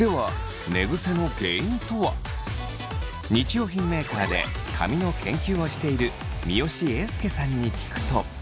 日用品メーカーで髪の研究をしている三好英輔さんに聞くと。